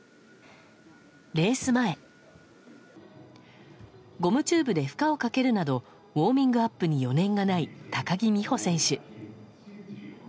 レース前ゴムチューブで負荷をかけるなどウォーミングアップに余念がない高木美帆選手。